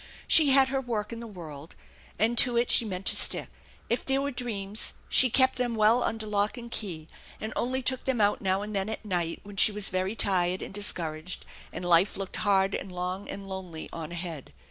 She had her work in the world, and to it she meant to stick. If there were dreams she kept them well under lock and key, and only took them out now and then at night when she was very tired and discouraged and life looked hard and long and lonely on ahead.